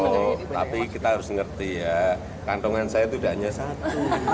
oh tapi kita harus ngerti ya kantongan saya tidak hanya satu